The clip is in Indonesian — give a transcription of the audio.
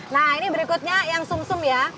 nah ini berikutnya yang sum sum ya